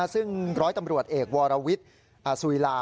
ซึ่งร้อยตำรวจเอกวรวิทย์สุยลา